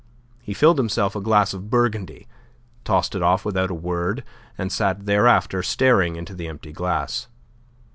He filled himself a glass of Burgundy, tossed it off without a word, and sat thereafter staring into the empty glass.